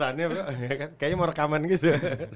kayaknya mau rekaman gitu